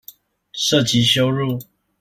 涉及羞辱